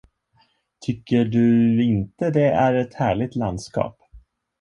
Tycker du inte det är ett härligt landskap?